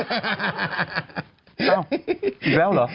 เอ้าอีกแล้วเหรอ